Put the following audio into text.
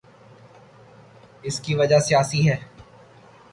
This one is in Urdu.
اس کی وجہ سیاسی ہے۔